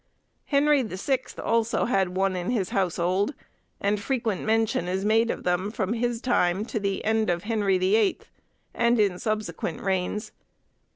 Henry the Sixth also had one in his household, and frequent mention is made of them from his time to the end of Henry the Eighth, and in subsequent reigns.